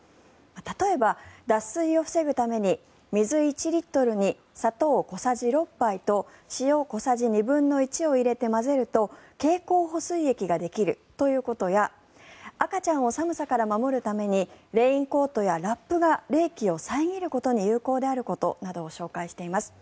例えば、脱水を防ぐために水１リットルに砂糖小さじ６杯と塩小さじ２分の１を入れて混ぜると経口補水液ができるということや赤ちゃんを寒さから守るためにレインコートやラップが冷気を遮ることに有効であることなどを紹介しています。